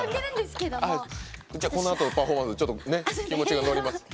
このあとのパフォーマンス気持ちが乗りますね。